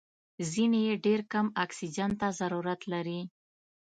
ځینې یې ډېر کم اکسیجن ته ضرورت لري.